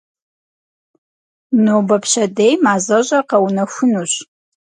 Нобэ-пщэдей мазэщӏэр къэунэхунущ.